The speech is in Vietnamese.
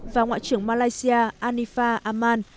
và ngoại trưởng malaysia anifa aman